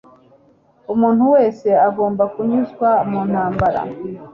Umuntu wese agomba kunyuzwa mu ntambara.